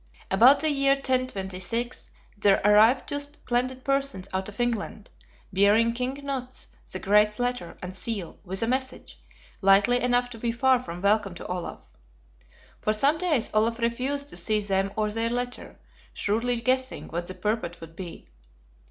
About the year 1026 there arrived two splendid persons out of England, bearing King Knut the Great's letter and seal, with a message, likely enough to be far from welcome to Olaf. For some days Olaf refused to see them or their letter, shrewdly guessing what the purport would be.